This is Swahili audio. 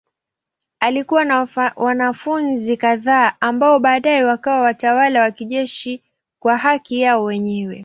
Alikuwa na wanafunzi kadhaa ambao baadaye wakawa watawala wa kijeshi kwa haki yao wenyewe.